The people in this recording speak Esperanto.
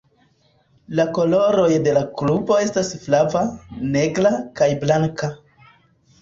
La koloroj de la klubo estas flava, negra, kaj blanka.